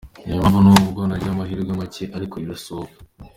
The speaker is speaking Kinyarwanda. Iyi mpamvu n’ubwo nyiha amahirwe make ariko irashoboka.